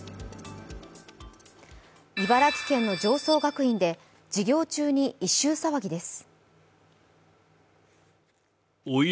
茨城県の常総学院で授業中に異臭騒ぎです。